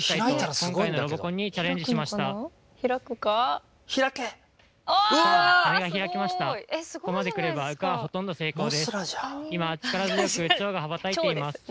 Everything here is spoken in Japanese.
今力強く蝶が羽ばたいています。